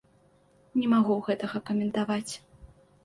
Не магу гэтага каментаваць.